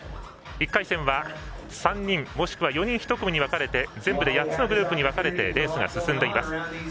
１回戦は３人もしくは４人１組に分かれて全部で８つのグループに分かれてレースが進んでいきます。